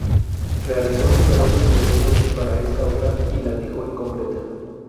Realizó numerosos bocetos para esta obra y la dejó incompleta.